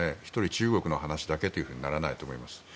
中国の話だけとならないと思います。